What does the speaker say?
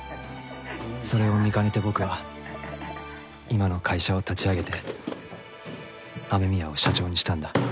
それを見かねて僕は今の会社を立ち上げて雨宮を社長にしたんだ。